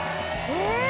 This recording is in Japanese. えっ！